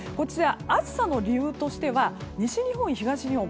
暑さの理由としては西日本、東日本